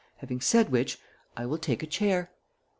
Having said which, I will take a chair."